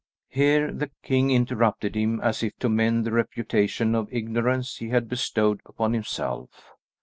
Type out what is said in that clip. Here the King interrupted him, as if to mend the reputation of ignorance he had bestowed upon himself.